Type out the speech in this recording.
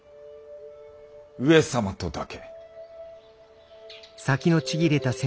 上様とだけ。